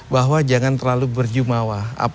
bahwa jangan terlalu berjumawah